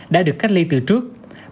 đã được cách ly từ trước